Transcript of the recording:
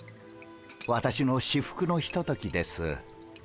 私の至福のひとときです。